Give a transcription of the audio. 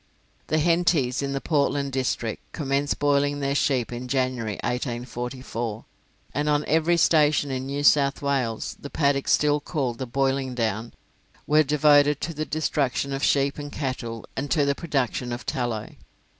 The Hentys, in the Portland district, commenced boiling their sheep in January, 1844, and on every station in New South Wales the paddocks still called the "boiling down" were devoted to the destruction of sheep and cattle and to the production of tallow.